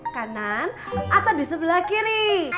kanan atau disebelah kiri